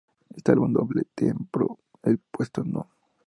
Este álbum doble trepó el puesto No.